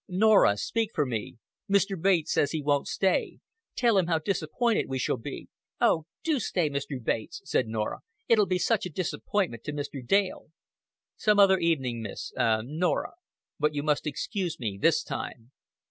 "Norah, speak for me. Mr. Bates says he won't stay. Tell him how disappointed we shall be." "Oh, do stay, Mr. Bates," said Norah. "It'll be such a disappointment to Mr. Dale." "Some other evening, Miss ah, Norah. But you must excuse me this time."